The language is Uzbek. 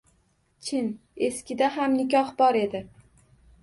Chin, eskida ham nikoh bor edi.